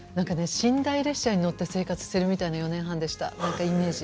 寝台列車に乗って生活しているような４年半でしたイメージ。